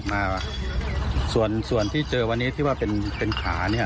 มาส่วนส่วนที่เจอวันนี้ที่ว่าเป็นเป็นขาเนี่ย